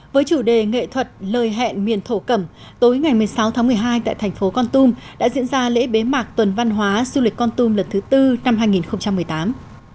với chủ đề nghệ thuật lời hẹn miền thổ cẩm tối ngày một mươi sáu tháng một mươi hai tại thành phố con tum đã diễn ra lễ bế mạc tuần văn hóa du lịch con tum lần thứ tư năm hai nghìn một mươi tám